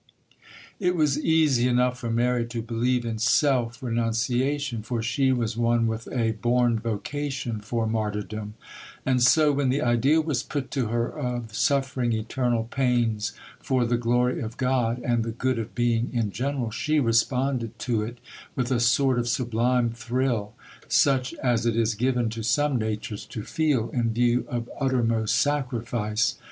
It was easy enough for Mary to believe in self renunciation, for she was one with a born vocation for martyrdom; and so, when the idea was put to her of suffering eternal pains for the glory of God and the good of being in general, she responded to it with a sort of sublime thrill, such as it is given to some natures to feel in view of uttermost sacrifice.